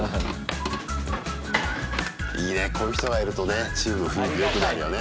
いいねこういう人がいるとねチームの雰囲気よくなるよね。